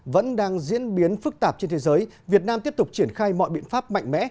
vẫn đang diễn biến phức tạp trên thế giới việt nam tiếp tục triển khai mọi biện pháp mạnh mẽ